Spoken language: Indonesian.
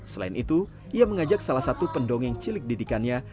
selain itu ia mengajak salah satu pendongeng cilik didikannya